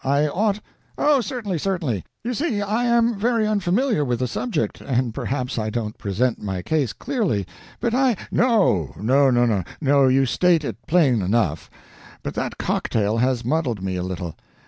I ought " "Oh, certainly, certainly! You see I am very unfamiliar with the subject, and perhaps I don't present my case clearly, but I " "No, no no, no you state it plain enough, but that cocktail has muddled me a little.